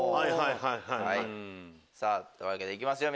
お！というわけでいきますよ